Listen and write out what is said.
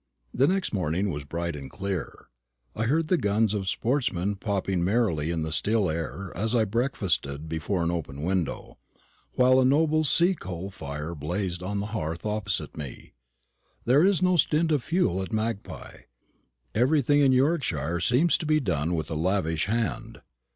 The next morning was bright and clear. I heard the guns of sportsmen popping merrily in the still air as I breakfasted before an open window, while a noble sea coal fire blazed on the hearth opposite me. There is no stint of fuel at the Magpie. Everything in Yorkshire seems to be done with a lavish hand.